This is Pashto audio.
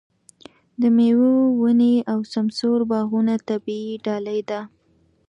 د مېوو ونې او سمسور باغونه طبیعي ډالۍ ده.